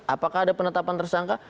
apakah ada penetapan tersangka